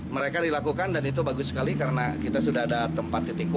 mereka dilakukan dan itu bagus sekali karena kita sudah ada tempat titik kumpul